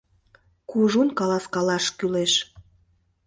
— Кужун каласкалаш кӱлеш.